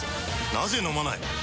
なぜ飲まない？